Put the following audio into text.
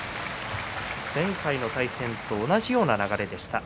前回の対戦と同じような流れでした。